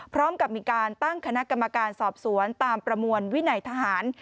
พร้อมกับมีการตั้งคณะกรรมการสอบสวนตามประมวลวินัยทหาร